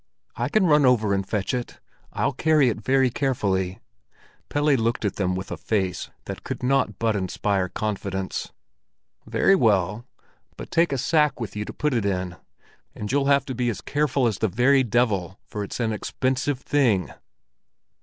"I can run over and fetch it; I'll carry it very carefully." Pelle looked at them with a face that could not but inspire confidence. "Very well; but take a sack with you to put it in. And you'll have to be as careful as the very devil, for it's an expensive thing."